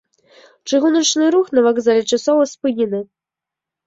Чыгуначны рух на вакзале часова спынены.